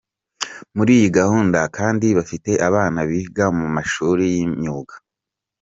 Muri iyi gahunda kandi bafite abana biga mu mashuli y’imyuga.